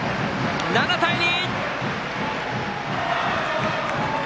７対２！